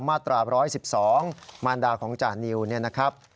มาตรา๑๑๒มารดาของจานิวเนี่ยนะครับ